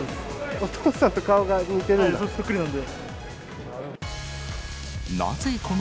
お父さんと顔が似てるの？